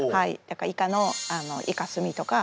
イカのイカスミとか。